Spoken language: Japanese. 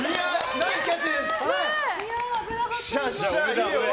ナイスキャッチです！